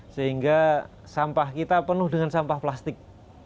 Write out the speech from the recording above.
sehingga sampah kita penuh dengan sampah plastik